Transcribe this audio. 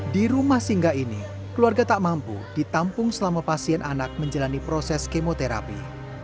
di rumah singgah ini keluarga tak mampu ditampung selama pasien anak menjalani proses kemoterapi